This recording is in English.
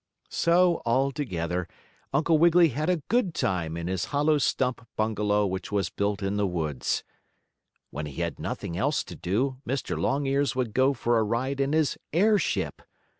So, altogether, Uncle Wiggily had a good time in his hollow stump bungalow which was built in the woods. When he had nothing else to do Mr. Longears would go for a ride in his airship.